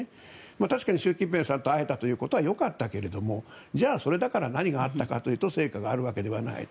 確かに習近平さんと会えたことはよかったけれどもじゃあ、それだから何があったかというと成果があるわけではない。